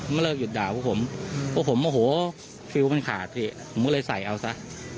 เลิกหยุดด่าพวกผมพวกผมโมโหฟิลมันขาดสิผมก็เลยใส่เอาซะ